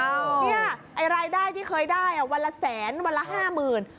เนี่ยไล่ได้ที่เคยได้วันละแสนวันละห้าหมื่น